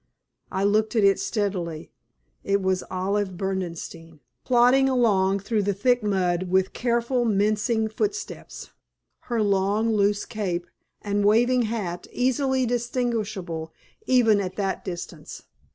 I looked at it steadily. It was Olive Berdenstein, plodding along through the thick mud with careful, mincing footsteps, her long, loose cape and waving hat, easily distinguishable even at that distance.